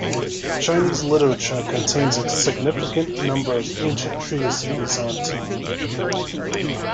Chinese literature contains a significant number of ancient treatises on tea.